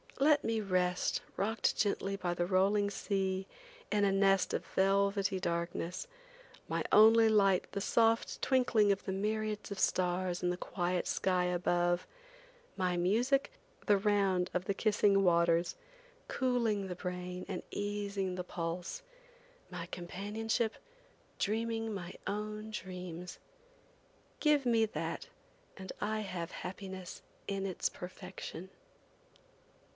Let me rest rocked gently by the rolling sea, in a nest of velvety darkness, my only light the soft twinkling of the myriads of stars in the quiet sky above; my music, the round of the kissing waters, cooling the brain and easing the pulse; my companionship, dreaming my own dreams. Give me that and I have happiness in its perfection.